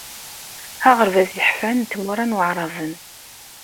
Aɣerbaz yeḥfan n tmura n waɛraben.